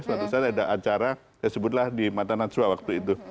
suatu saat ada acara disebutlah di matanacua waktu itu